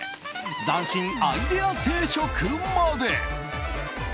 斬新アイデア定食まで。